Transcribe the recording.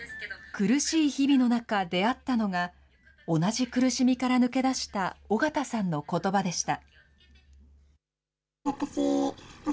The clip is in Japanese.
苦しい日々の中、出会ったのが、同じ苦しみから抜け出した尾形さんのことばでした。